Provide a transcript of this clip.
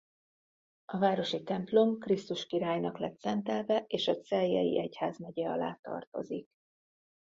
A városi templom Krisztus Királynak lett szentelve és a Celjei egyházmegye alá tartozik.